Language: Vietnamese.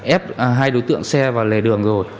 ép hai đối tượng xe vào lề đường rồi